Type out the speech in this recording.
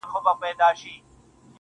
اغــــزي يې وكـــرل دوى ولاړل تريــــنه~